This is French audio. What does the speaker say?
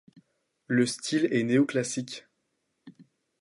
Le style est néoclassique.